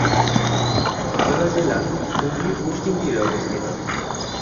হাওড়া জেলা হুগলির পশ্চিম তীরে অবস্থিত।